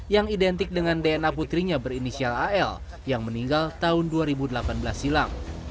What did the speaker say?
yang identik dengan dna putrinya berinisial al yang meninggal tahun dua ribu delapan belas silam